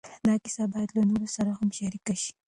دا کیسه باید له نورو سره هم شریکه شي.